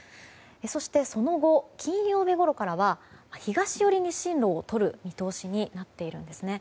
そしてその後、金曜日ごろから東寄りに進路をとる見通しになっているんです。